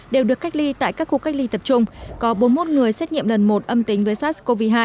đều được cách ly tại các khu cách ly tập trung có bốn mươi một người xét nghiệm lần một âm tính với sars cov hai